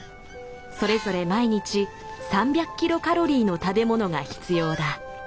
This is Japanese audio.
それぞれ毎日３００キロカロリーの食べ物が必要だ。